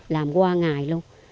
làm qua ngày luôn